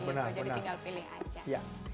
jadi tinggal pilih aja